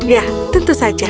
ya tentu saja